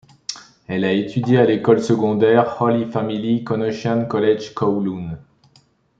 Elle a étudié à l'école secondaire Holy Family Canossian College Kowloon.